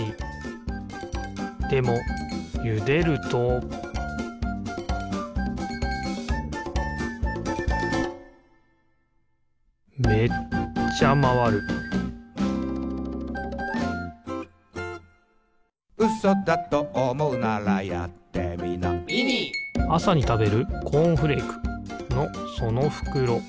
でもゆでるとめっちゃまわるあさにたべるコーンフレークのそのふくろ。